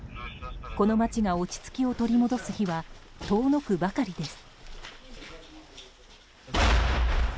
この街が落ち着きを取り戻す日は遠のくばかりです。